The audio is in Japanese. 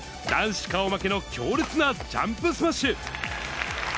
男子顔負けの強烈なジャンプスマッシュ。